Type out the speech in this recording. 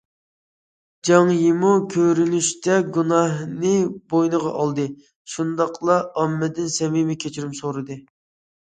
جاڭ يىمۇ كۆرۈنۈشتە گۇناھىنى بوينىغا ئالدى شۇنداقلا ئاممىدىن سەمىمىي كەچۈرۈم سورىدى.